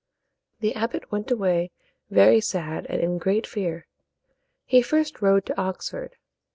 The abbot went away very sad and in great fear. He first rode to Oxford.